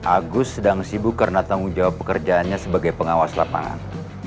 agus sedang sibuk karena tanggung jawab pekerjaannya sebagai pengawas lapangan